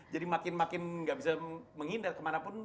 jadi makin makin nggak bisa menghindar kemanapun